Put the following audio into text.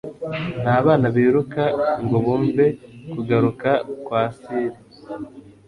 Nta bana biruka ngo bumve kugaruka kwa sire,